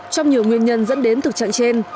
trong nhiều nguyên nhân dẫn đến thực trạng trên